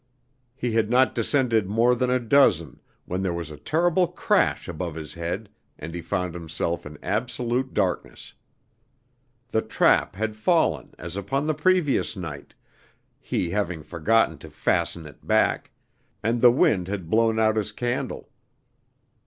He had not descended more than a dozen, when there was a terrible crash above his head, and he found himself in absolute darkness. The trap had fallen as upon the previous night, he having forgotten to fasten it back, and the wind had blown out his candle.